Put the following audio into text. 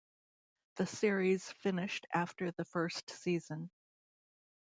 The series finished after the first season.